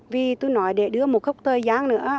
vì tôi nói để đưa một khúc thời gian nữa